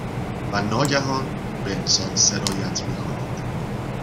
و ناگهان، به انسان سرایت میکند